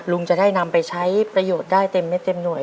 ลุงจะได้นำไปใช้ประโยชน์ได้เต็มหน่วย